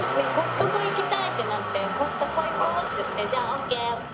コストコ行きたいってなって「コストコ行こう」って言って「じゃあオーケー！